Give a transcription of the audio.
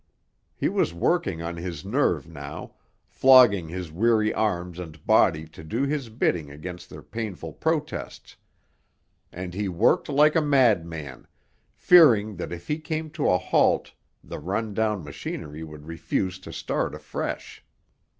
He was working on his nerve now, flogging his weary arms and body to do his bidding against their painful protests; and he worked like a madman, fearing that if he came to a halt the run down machinery would refuse to start afresh.